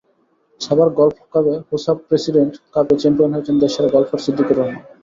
Savar golf ক্লাবে Hosaf president কাপে champion হয়েছেন দেশসেরা গলফার সিদ্দিকুর রহমান।